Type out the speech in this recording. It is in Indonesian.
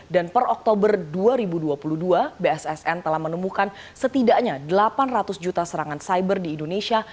dan per oktober dua ribu dua puluh dua bssn telah menemukan setidaknya delapan ratus juta serangan cyber di indonesia